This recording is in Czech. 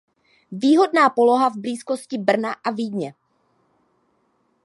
Výhodná poloha v blízkosti Brna a Vídně.